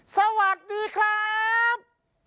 สวัสดีครับ